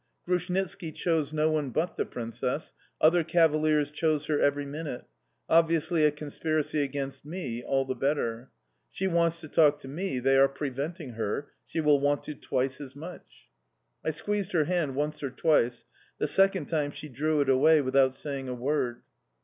Grushnitski chose no one but the Princess, other cavaliers chose her every minute: obviously a conspiracy against me all the better! She wants to talk to me, they are preventing her she will want to twice as much. I squeezed her hand once or twice; the second time she drew it away without saying a word.